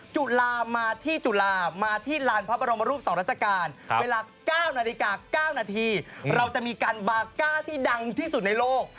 จุลามาที่จุฬามาที่ลานพระบรมรูป๒ราชการเวลา๙นาฬิกา๙นาทีเราจะมีการบาก้าที่ดังที่สุดในโลก